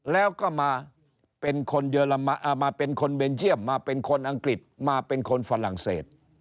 แล้วก็มาเป็นคนเบนเจียมมาเป็นคนอังกฤษมาเป็นคนฝรั่งเศส